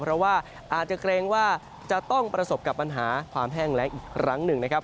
เพราะว่าอาจจะเกรงว่าจะต้องประสบกับปัญหาความแห้งแรงอีกครั้งหนึ่งนะครับ